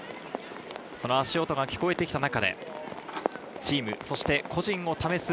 足音が聞こえてきた中で、チーム、そして個人を試す